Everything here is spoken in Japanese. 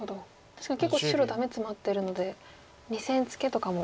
確かに結構白ダメツマってるので２線ツケとかも。